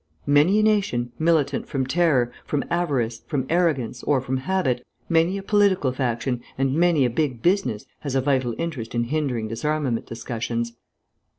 Many a nation, militant from terror, from avarice, from arrogance, or from habit, many a political faction, and many a big business, has a vital interest in hindering disarmament discussions.